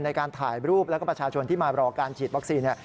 ในการถ่ายรูปแล้วก็ประชาชนที่มารอการฉีดวัคซีนเนี่ย